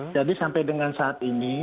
jadi sampai dengan saat ini